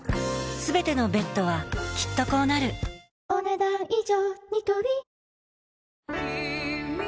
全てのベッドはきっとこうなるお、ねだん以上。